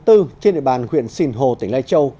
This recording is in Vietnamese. trên địa bàn huyện sinh hồ tỉnh lai châu